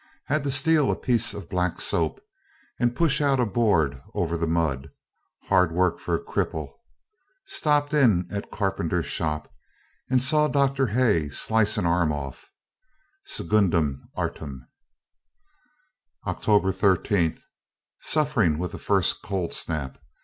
Had to steal a piece of black soap, and push out a board over the mud, hard work for a cripple. Stopped in at carpenter's shop and saw Dr. Hay slice an arm off, secundum artem. October 13. Suffering with the first cold snap.